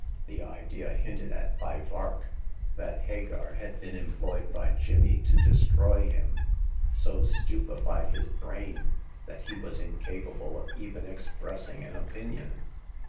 The idea hinted at by Vark— that Hagar had been employed by Jimmy to destroy him — so stupefied his brain that he was incapable of even express ing an opinion.